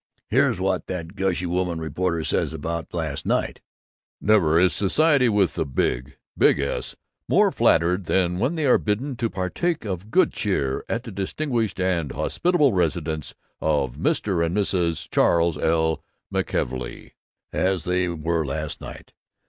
Here's what that gushy woman reporter says about last night:" Never is Society with the big, big S more flattered than when they are bidden to partake of good cheer at the distinguished and hospitable residence of Mr. and Mrs. Charles L. McKelvey as they were last night.